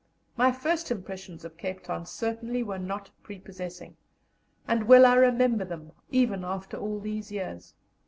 My first impressions of Cape Town certainly were not prepossessing, and well I remember them, even after all these years.